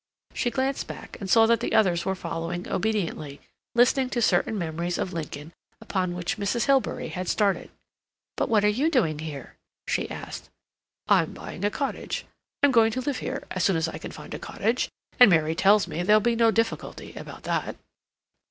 She glanced back and saw that the others were following obediently, listening to certain memories of Lincoln upon which Mrs. Hilbery had started. "But what are you doing here?" she asked. "I'm buying a cottage. I'm going to live here—as soon as I can find a cottage, and Mary tells me there'll be no difficulty about that."